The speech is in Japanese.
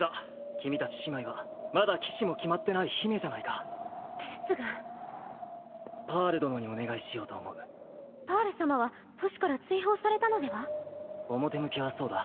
君たち姉妹はまだ騎士も決まってない姫じゃないかですがパール殿にお願いしようパール様は都市から追表向きはそうだ。